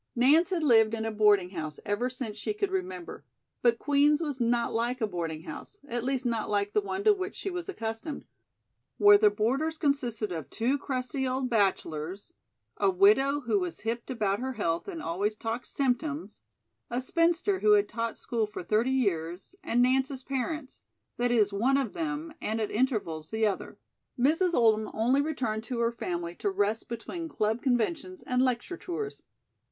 Nance had lived in a boarding house ever since she could remember; but Queen's was not like a boarding house; at least not like the one to which she was accustomed, where the boarders consisted of two crusty old bachelors; a widow who was hipped about her health and always talked "symptoms"; a spinster who had taught school for thirty years; and Nance's parents that is, one of them, and at intervals the other. Mrs. Oldham only returned to her family to rest between club conventions and lecture tours.